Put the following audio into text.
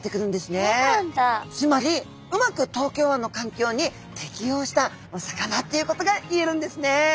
つまりうまく東京湾の環境に適応したお魚っていうことが言えるんですね。